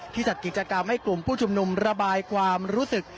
จัดกิจกรรมให้กลุ่มผู้ชุมนุมระบายความรู้สึก